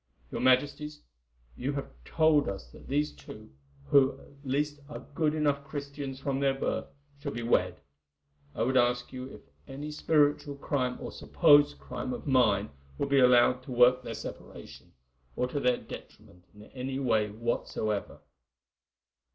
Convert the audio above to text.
Your Majesties, you have told us that these two, who, at least, are good enough Christians from their birth, shall be wed. I would ask you if any spiritual crime, or supposed crime, of mine will be allowed to work their separation, or to their detriment in any way whatsoever."